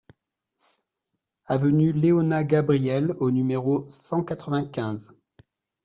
Avenue Léona Gabriel au numéro cent quatre-vingt-quinze